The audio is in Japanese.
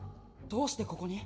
どうしてここに？